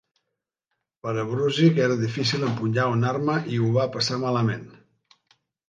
Per a Brussig era difícil empunyar una arma i ho va passar malament.